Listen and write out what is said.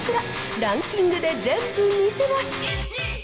ランキングで全部見せます。